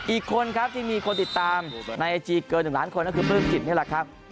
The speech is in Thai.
อีกคนครับที่มีคนติดตามในไอจีเกิน๑ล้านคนก็คือปลื้มจิตนี่แหละครับ